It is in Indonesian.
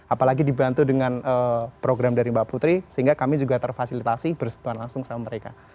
apalagi dibantu dengan program dari mbak putri sehingga kami juga terfasilitasi bersentuhan langsung sama mereka